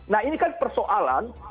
nah ini kan persoalan